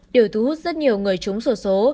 điều thu hút rất nhiều người trúng số số